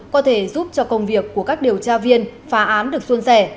có thể giúp cho công việc của các điều tra viên phá án được xuân rẻ